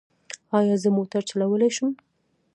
ایا زه موټر چلولی شم؟